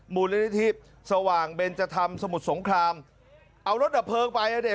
มูลนิธิสว่างเบนจธรรมสมุทรสงครามเอารถดับเพลิงไปอ่ะเนี่ย